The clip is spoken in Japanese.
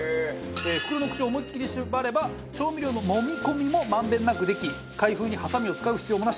袋の口を思いっきり縛れば調味料のもみ込みも満遍なくでき開封にハサミを使う必要もなし。